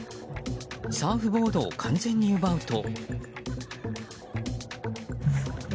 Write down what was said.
サーフボードを完全に奪うと。